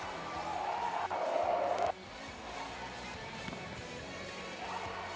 สวัสดีทุกคน